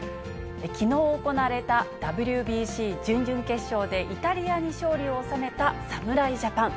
きのう行われたＷＢＣ準々決勝でイタリアに勝利を収めた侍ジャパン。